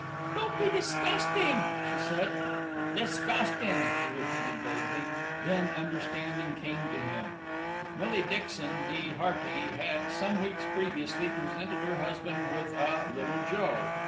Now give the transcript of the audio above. "Don't be disgusting," she said. "Disgustin'," he repeated vaguely. Then understanding came to him. Millie Dixon, née Hearty, had, some weeks previously, presented her husband with "a little Joe."